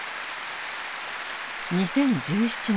２０１７年